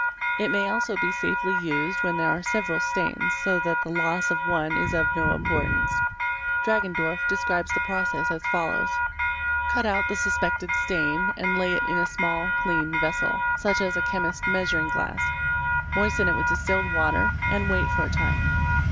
It may also be safely used when there are — several stains so that the loss of one is of no importance. a Dragendorf describes the process as follows. Cut out the suspected © stain and lay it in a small clean vessel, such as a chemist's measuring © y/ SEARCH FOR BLOOD 563 glass, moisten it with distilled water, and wait for a time.